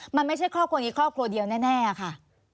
มันไม่ใช่ครอบครัวนี้ครอบครัวเดียวแน่ค่ะ